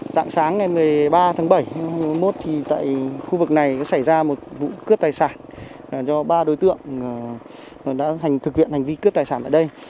dạng sáng ngày một mươi ba tháng bảy hai nghìn một mươi một tại khu vực này xảy ra một vụ cướp tài sản do ba đối tượng đã thực hiện hành vi cướp tài sản tại đây